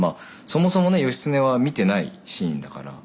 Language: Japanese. そもそもね義経は見てないシーンだから。